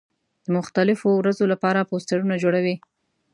د مختلفو ورځو له پاره پوسټرونه جوړوي.